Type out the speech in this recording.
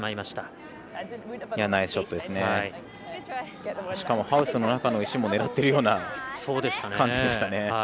しかもハウスの中の石も狙ってるような感じでしたね。